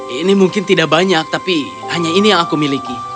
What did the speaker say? ini mungkin tidak banyak tapi hanya ini yang aku miliki